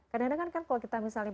kadang kadang kan kalau kita misalnya